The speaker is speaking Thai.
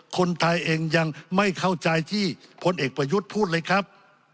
คนไทยเองยังไม่เข้าใจที่พลเอกประยุทธ์พูดเลยครับ